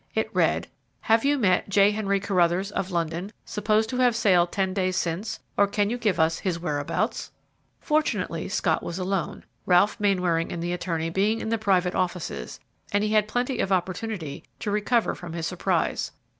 It read, "Have you met J. Henry Carruthers, of London, supposed to have sailed ten days since, or can you give us his whereabouts?" Fortunately, Scott was alone, Ralph Mainwaring and the attorney being in the private offices, and he had plenty of opportunity to recover from his surprise.